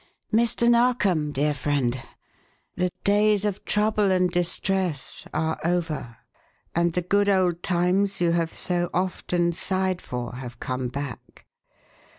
"Mr. Narkom, dear friend, the days of trouble and distress are over and the good old times you have so often sighed for have come back.